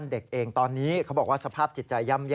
แล้วก็อยากให้เรื่องนี้จบไปเพราะว่ามันกระทบกระเทือนทั้งจิตใจของคุณครู